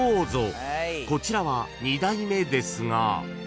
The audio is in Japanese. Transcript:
［こちらは２代目ですが］